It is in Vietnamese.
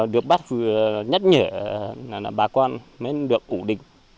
được bác phừ nhắc nhở bà con mới được ủ địch